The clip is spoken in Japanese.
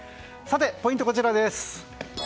ポイントはこちらです。